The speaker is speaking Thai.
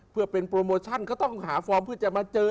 เพื่อเป็นโปรโมชั่นก็ต้องหาฟอร์มเพื่อจะมาเจอ